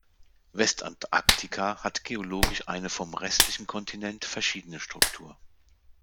Westantarktika hat geologisch eine vom restlichen Kontinent verschiedene Struktur.